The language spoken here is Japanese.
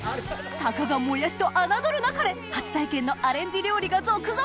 たかがもやしと侮るなかれ初体験のアレンジ料理が続々！